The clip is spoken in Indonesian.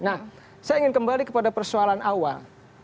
nah saya ingin kembali kepada persoalan awal